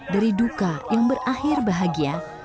dari duka yang berakhir bahagia